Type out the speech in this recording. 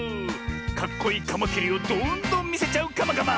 かっこいいカマキリをどんどんみせちゃうカマカマ。